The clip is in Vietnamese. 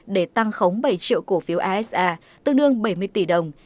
để tăng khống bảy triệu cổ phiếu asa tương đương bảy mươi tỷ đồng